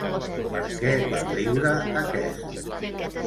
Per què va riure aquest?